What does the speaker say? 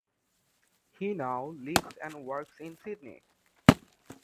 He now lives and works in Sydney.